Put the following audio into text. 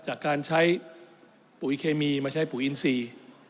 จากการใช้ปุ๋ยเคมีมาใช้ปุ๋ยอินทรีย์